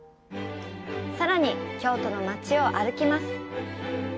さらに京都の町を歩きます。